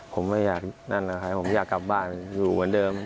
ผมไม่อยากนั่นแหละค่ะผมไม่อยากกลับบ้านอยู่เหวินเดิม